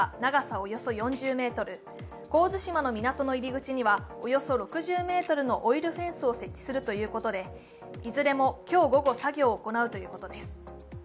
およそ４０ｍ神津島の港の入り口にはおよそ６０ｍのオイルフェンスを設置するということで、いずれも今日午後、作業を行うということです。